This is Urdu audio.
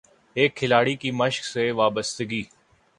ایک کھلاڑی کی مشق سے وابستگی